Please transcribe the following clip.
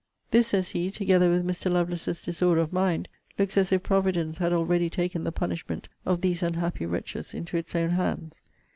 'This, says he, together with Mr. Lovelace's disorder of mind, looks as if Providence had already taken the punishment of these unhappy wretches into its own hands.'